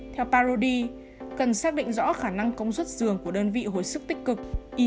theo parody cần xác định rõ khả năng công suất dường của đơn vị hồi sức tích cực